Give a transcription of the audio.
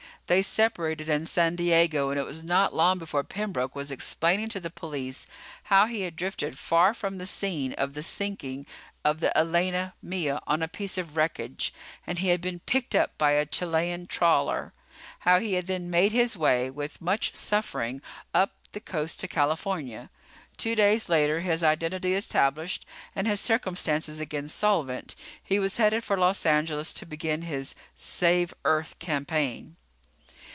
They separated in San Diego, and it was not long before Pembroke was explaining to the police how he had drifted far from the scene of the sinking of the Elena Mia on a piece of wreckage, and had been picked up by a Chilean trawler. How he had then made his way, with much suffering, up the coast to California. Two days later, his identity established and his circumstances again solvent, he was headed for Los Angeles to begin his save Earth campaign.